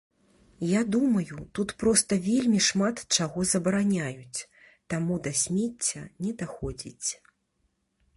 Я думаю, тут проста вельмі шмат чаго забараняюць, таму да смецця не даходзіць.